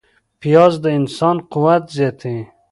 پیاز د انسان قوت زیاتوي